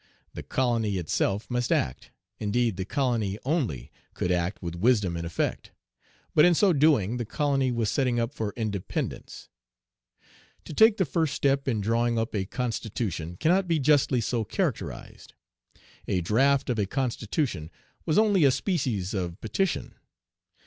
The colony itself must act. Indeed, the colony only could act with wisdom and effect. "But in so doing, the colony was setting up for independence." To take the first step in drawing up a constitution cannot be justly so characterized. A draft of a constitution was only a species of petition.